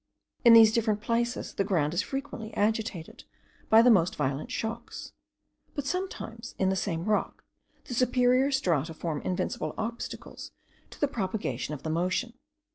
In these different places the ground is frequently agitated by the most violent shocks; but sometimes, in the same rock, the superior strata form invincible obstacles to the propagation of the motion.